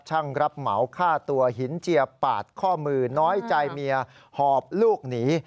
รับเหมาฆ่าตัวหินเจียปาดข้อมือน้อยใจเมียหอบลูกหนี